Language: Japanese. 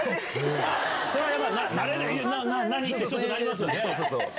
それはやっぱ何？ってなりますよね。